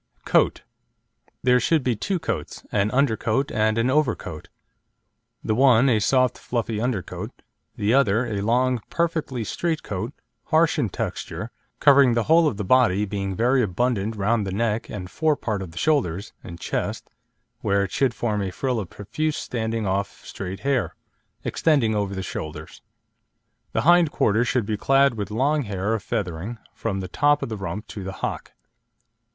COAT There should be two coats, an undercoat and an overcoat; the one a soft fluffy undercoat, the other a long, perfectly straight coat, harsh in texture, covering the whole of the body, being very abundant round the neck and fore part of the shoulders and chest where it should form a frill of profuse standing off straight hair, extending over the shoulders. The hind quarters should be clad with long hair or feathering, from the top of the rump to the hock.